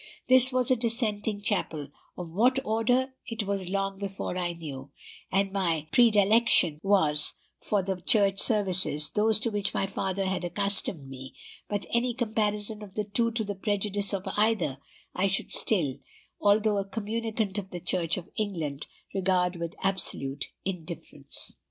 This was a dissenting chapel, of what order, it was long before I knew, and my predilection was for the Church services, those to which my father had accustomed me; but any comparison of the two to the prejudice of either, I should still although a communicant of the Church of England regard with absolute indifference.